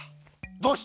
どうして？